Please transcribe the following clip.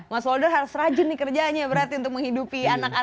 mas holder harus rajin nih kerjanya berarti untuk menghidupi anak anjing